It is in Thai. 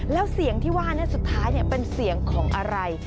แล้วเสียงที่ว่าสุดท้ายเป็นเสียงของอะไร